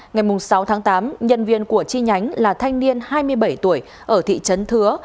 ngày sáu tám nhân viên của chi nhánh là thanh niên hai mươi bảy tuổi ở thị trấn thứa